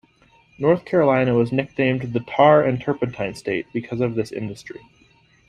North Carolina was nicknamed the "Tar and Turpentine State" because of this industry.